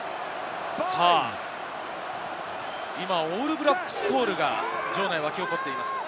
今、オールブラックスコールが場内に沸き起こっています。